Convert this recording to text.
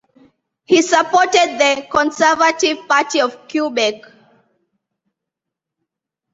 He supported the Conservative Party of Quebec.